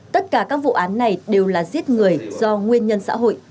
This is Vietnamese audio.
tất cả các vụ án này đều là giết người do nguyên nhân xã hội